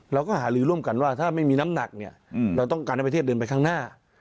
เราก็หาลือร่วมกันว่าถ้าไม่มีน้ำหนักเนี่ยเราต้องการให้ประเทศเดินไปข้างหน้า